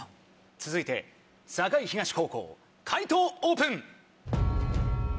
続いて栄東高校解答オープン！